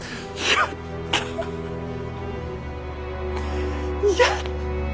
やったやった！